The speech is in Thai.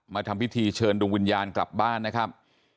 ทำพิธีเชิญดวงวิญญาณกลับบ้านนะครับ